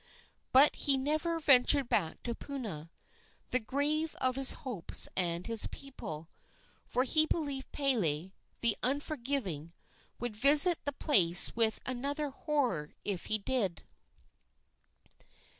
But he never ventured back to Puna, the grave of his hopes and his people, for he believed Pele, the unforgiving, would visit the place with another horror if he did.